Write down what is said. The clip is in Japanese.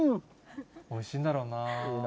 おいしいんだろうな。